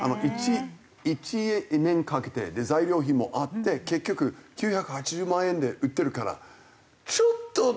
１年かけて材料費もあって結局９８０万円で売ってるからちょっと。